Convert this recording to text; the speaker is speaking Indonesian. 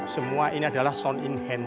semua ini adalah sound in hand